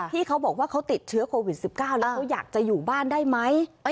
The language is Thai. เขาบอกว่าเขาติดเชื้อโควิด๑๙แล้วเขาอยากจะอยู่บ้านได้ไหม